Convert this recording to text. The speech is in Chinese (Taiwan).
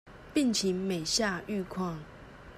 病情每下愈況